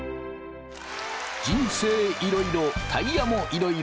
人生いろいろタイヤもいろいろ。